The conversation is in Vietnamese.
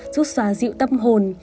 giúp xóa dịu tâm hồn